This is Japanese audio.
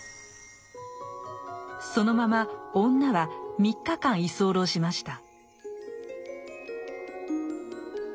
そのまま女は３日間居候しました。